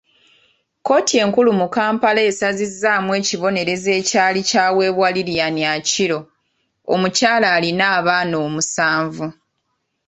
Kkooti enkulu mu Kampala esazizzaamu ekibonerezo ekyali kyaweebwa Lililian Aciro, omukyala alina abaana omusanvu.